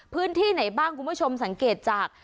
พื้นที่ไหนบ้างคุณผู้ชมสังเกตจาก